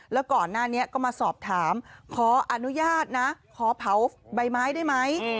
แล้วก่อนหน้านี้ก็มาสอบถามขออนุญาตนะขอเผาใบไม้ได้ไหม